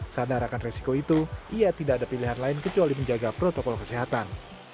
sadar akan resiko itu ia tidak ada pilihan lain kecuali menjaga protokol kesehatan